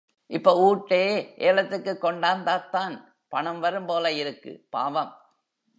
இப்போ ஊட்டே ஏலத்துக்குக் கொண்டாந்தாத்தான் பணம் வரும்போல இருக்கு, பாவம்!